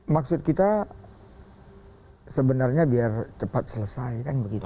maksud kita sebenarnya biar cepat selesai kan begitu